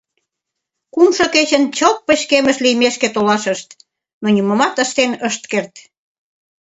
Кумшо кечын чылт пычкемыш лиймешке толашышт, но нимомат ыштен ышт керт.